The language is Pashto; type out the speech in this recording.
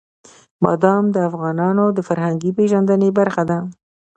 بادام د افغانانو د فرهنګي پیژندنې برخه ده.